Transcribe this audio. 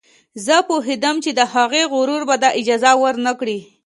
زه پوهېدم چې د هغې غرور به دا اجازه ور نه کړي